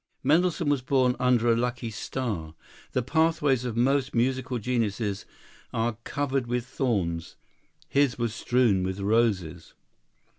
Mendelssohn was born under a lucky star. The pathways of most musical geniuses are covered with thorns; his was strewn with roses.